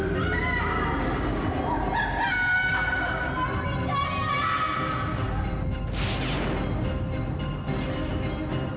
kau baik baik aja kakak